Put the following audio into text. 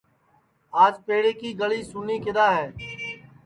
آج پیڑے کی گݪی سُنی کِدؔا ہے